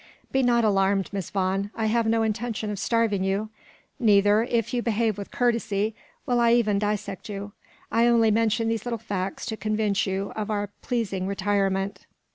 Be not alarmed, Miss Vaughan; I have no intention of starving you; neither, if you behave with courtesy, will I even dissect you. I only mention these little facts to convince you of our pleasing retirement.